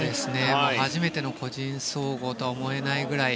初めての個人総合とは思えないくらい。